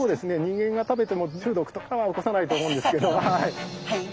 人間が食べても中毒とかは起こさないと思うんですけどはい。